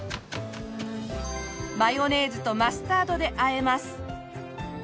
マヨネーズとマスタードで和えます。